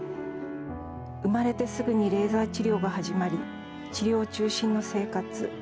生まれてすぐにレーザー治療が始まり、治療中心の生活。